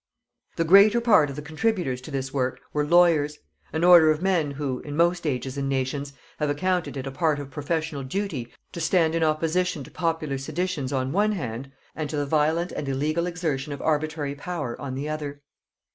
] The greater part of the contributors to this work were lawyers; an order of men who, in most ages and nations, have accounted it a part of professional duty to stand in opposition to popular seditions on one hand, and to the violent and illegal exertion of arbitrary power on the other.